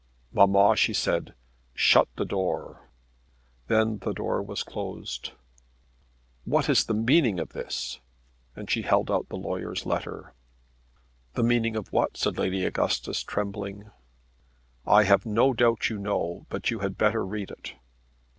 "Mamma," she said, "shut the door." Then the door was closed. "What is the meaning of this?" and she held out the lawyer's letter. "The meaning of what?" said Lady Augustus, trembling. "I have no doubt you know, but you had better read it."